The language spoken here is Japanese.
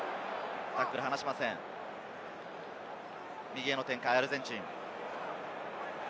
右への展開、アルゼンチン。